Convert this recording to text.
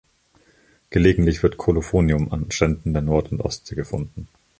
Gelegentlich wird Kolophonium an Stränden der Nord- und Ostsee gefunden.